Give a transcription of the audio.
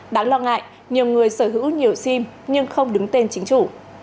đáng lo ngại nhiều người sở hữu nhiều sim nhưng không đứng tên chính chủ